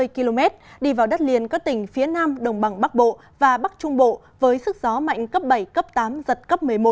một mươi năm hai mươi km đi vào đất liền các tỉnh phía nam đồng bằng bắc bộ và bắc trung bộ với sức gió mạnh cấp bảy cấp tám giật cấp một mươi một